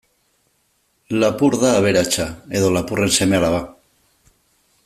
Lapur da aberatsa, edo lapurren seme-alaba.